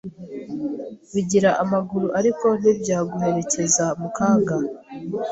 bigira amaguru ariko ntibyaguherekeza mu kaga,